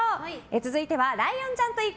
続いてはライオンちゃんと行く！